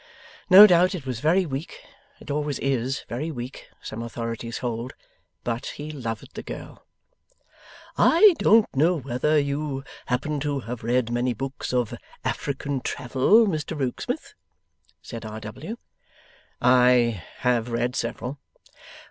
No doubt it was very weak it always IS very weak, some authorities hold but he loved the girl. 'I don't know whether you happen to have read many books of African Travel, Mr Rokesmith?' said R. W. 'I have read several.